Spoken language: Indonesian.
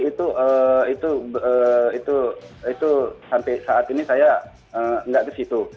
itu sampai saat ini saya tidak di situ